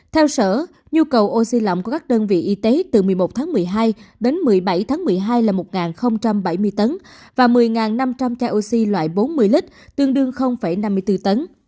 theo sở nhu cầu oxy lỏng của các đơn vị y tế từ một mươi một tháng một mươi hai đến một mươi bảy tháng một mươi hai là một bảy mươi tấn và một mươi năm trăm linh chai oxy loại bốn mươi lít tương đương năm mươi bốn tấn